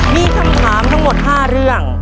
มีคำถามทั้งหมด๕เรื่อง